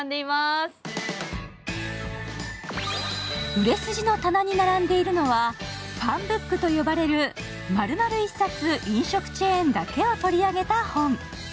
売れ筋の棚に並んでいるのはファンブックと呼ばれる丸々一冊飲食チェーンだけを取り上げた本。